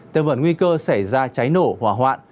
tuy nhiên nguy cơ xảy ra cháy nổ hỏa hoạn